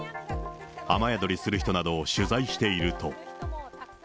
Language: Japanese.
雨宿りする人などを取材していると。